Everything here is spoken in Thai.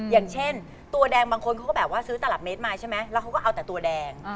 อย่างเช่นตัวแดงบางคนเขาก็แบบว่าซื้อตลับเมตรมาใช่ไหมแล้วเขาก็เอาแต่ตัวแดง